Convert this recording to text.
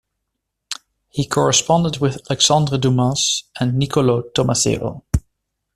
He corresponded with Alexandre Dumas and Niccolo Tommaseo.